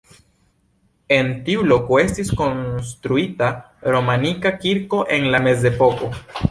En tiu loko estis konstruita romanika kirko en la mezepoko.